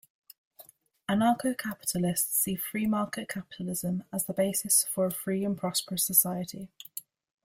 Anarcho-capitalists see free-market capitalism as the basis for a free and prosperous society.